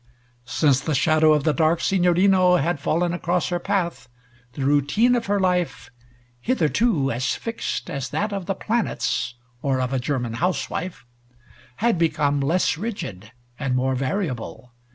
Since the shadow of the dark Signorino had fallen across her path, the routine of her life hitherto as fixed as that of the planets or of a German house wife, had become less rigid and more variable.